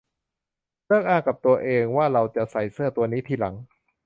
เลิกอ้างกับตัวเองว่าเราจะใส่เสื้อตัวนี้ทีหลัง